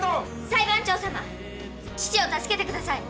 裁判長様父を助けてください！